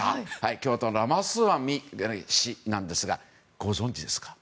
共和党のラマスワミ氏なんですがご存じですか？